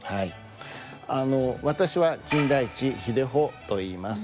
あの私は金田一秀穂といいます。